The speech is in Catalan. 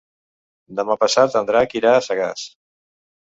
Demà passat en Drac irà a Sagàs.